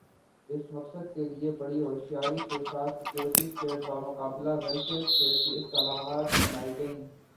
اس مقصد کے لئے بڑی ہوشیاری کے ساتھ سیکورٹی سٹیٹ بمقابلہ ویلفیئر سٹیٹ کی اصطلاحات بنائی گئیں۔